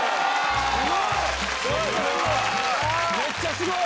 すごい！